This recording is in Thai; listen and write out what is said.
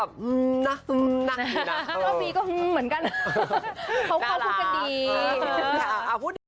ภาพให้มันสวยแค่นั้นหนึ่งสิทธิ์ที่เราทำกัน